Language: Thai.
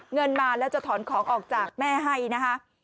เงินมาแล้วจะถอนของออกจากแม่ให้นะคะ